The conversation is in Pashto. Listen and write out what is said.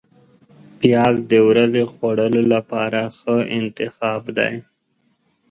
پیاز د ورځې خوړلو لپاره ښه انتخاب دی